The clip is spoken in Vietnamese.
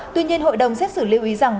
tuy nhiên hội đồng xét xử lưu ý rằng